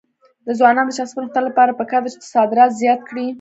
د ځوانانو د شخصي پرمختګ لپاره پکار ده چې صادرات زیات کړي.